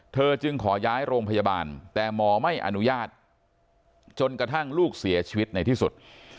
จึงขอย้ายโรงพยาบาลแต่หมอไม่อนุญาตจนกระทั่งลูกเสียชีวิตในที่สุด